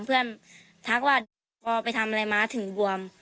เพื่อนทักว่าต้นคอไปทำอะไรมาถึงบวม